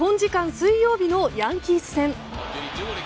水曜日のヤンキース戦。